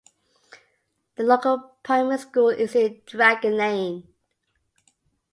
The local primary school is in Dragon Lane.